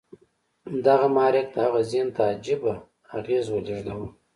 دغه محرک د هغه ذهن ته عجيبه اغېز ولېږداوه.